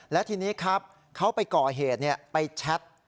และทีนี้ครับเขาไปก่อเหตุไปแชท